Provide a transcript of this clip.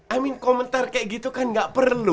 i mean komentar kayak gitu kan enggak perlu